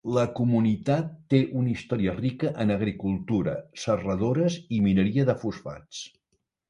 La comunitat té una història rica en agricultura, serradores i mineria de fosfats.